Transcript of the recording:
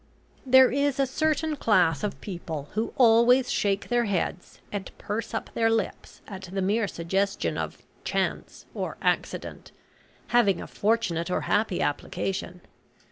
There is a certain class of people who always shake their heads, and purse up their lips, at the mere suggestion of "chance," or "accident," having a fortunate or happy application.